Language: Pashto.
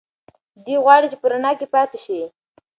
دی غواړي چې په رڼا کې پاتې شي.